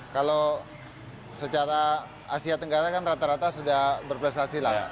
kalau secara asia tenggara kan rata rata sudah berprestasi lah